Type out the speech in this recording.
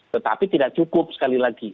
tetapi tidak cukup sekali lagi